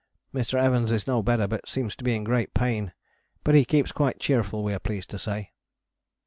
Mr. Evans is no better but seems to be in great pain, but he keeps quite cheerful we are pleased to say.